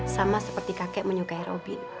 sama seperti kakek menyukai robin